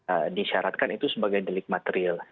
ee disyaratkan itu sebagai delik material